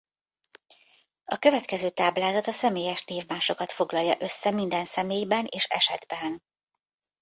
A következő táblázat a személyes névmásokat foglalja össze minden személyben és esetben.